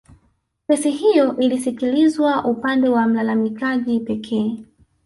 Kesi hiyo ilisikilizwa upande wa mlalamikaji pekee